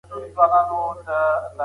موږ سفر ته ځو